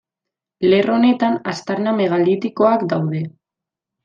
Lerro honetan aztarna megalitikoak daude.